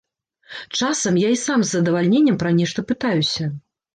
Часам я і сам з задавальненнем пра нешта пытаюся.